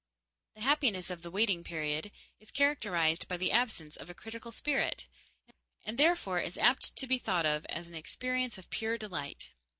The happiness of the waiting period is characterized by the absence of a critical spirit, and therefore is apt to be thought of as an experience of pure delight.